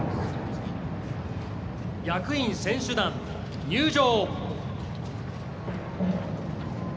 役員・選手団、入場。